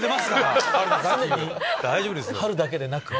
春だけでなく。